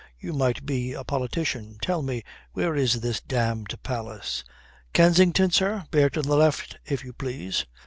You might be a politician. Tell me, where is this damned palace?" "Kensington, sir? Bear to the left, if you please."